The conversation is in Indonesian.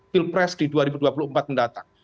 pilpres di dua ribu dua puluh empat mendatang